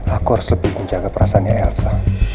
aku harus lebih menjaga perasaannya elsa